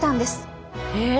え？